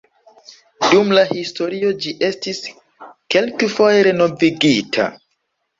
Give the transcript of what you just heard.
Dum la historio ĝi estis kelkfoje renovigita.